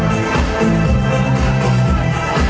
ไม่ต้องถามไม่ต้องถาม